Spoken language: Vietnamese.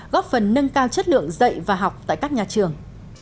góp phần nâng cao chất lượng dạy và học tại các nhà trường